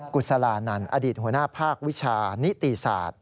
ุศลานันต์อดีตหัวหน้าภาควิชานิติศาสตร์